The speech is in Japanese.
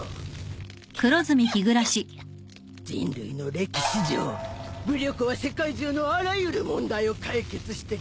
キョキョキョキョ人類の歴史上武力は世界中のあらゆる問題を解決してきた